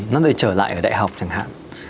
nó lại trở lại ở đại học chẳng hạn